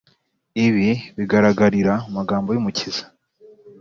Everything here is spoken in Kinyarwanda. . Ibi bigaragarira mu magambo y’Umukiza